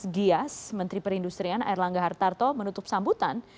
gias menteri perindustrian erlangga hartarto menutup sambutan